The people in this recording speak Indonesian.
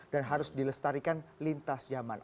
dan harus dilestarikan lintas zaman